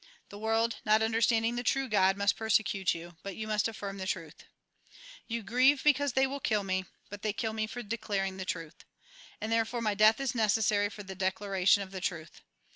The world, not understanding the true God, must persecute you ; but you must affirm the truth. " You grieve because they will kill me ; but they kill me for declaring the truth. And therefore my death is necessary for the declai ation of the truth.